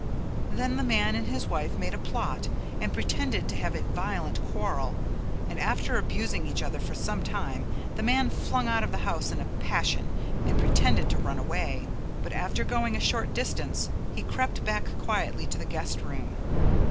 Then the man and his wife made a plot and pretended to have a violent quarrel and after abusing each other for some time the man flung out of the house in a passion and pretended to run away; but after going a short distance he crept back quietly to the guest room.